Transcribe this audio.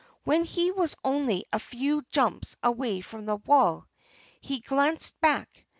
When he was only a few jumps away from the wall he glanced back.